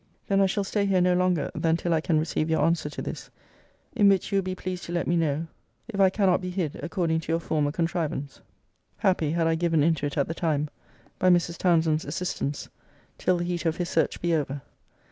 Then I shall stay here no longer than till I can receive your answer to this: in which you will be pleased to let me know, if I cannot be hid, according to your former contrivance, [happy, had I given into it at the time!] by Mrs. Townsend's assistance, till the heat of his search be over.